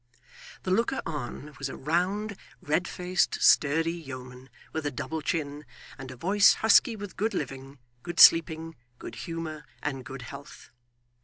The looker on was a round, red faced, sturdy yeoman, with a double chin, and a voice husky with good living, good sleeping, good humour, and good health.